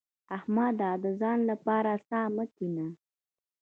احمده! د ځان لپاره څا مه کينه.